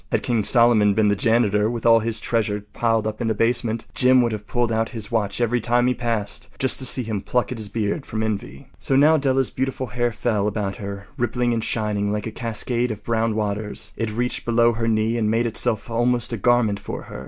Had King Solomon been the janitor, with all his treasures piled up in the basement, Jim would have pulled out his watch every time he passed, just to see him pluck at his beard from envy. So now Della’s beautiful hair fell about her rippling and shining like a cascade of brown waters. It reached below her knee and made itself almost a garment for her.